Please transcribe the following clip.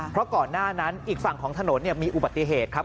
เพราะก่อนหน้านั้นอีกฝั่งของถนนมีอุบัติเหตุครับ